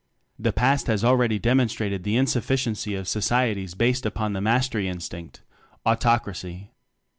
The past has already demonstrated the insufficiency of so cieties based upon the Mastery In stinct Autocracy.